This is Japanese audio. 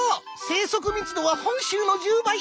生息密度は本州の１０倍！